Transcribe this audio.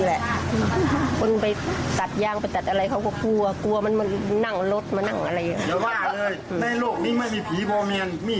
แล้วอาจไปเผ่าสวนหลังตอนกลางคืนน่ะ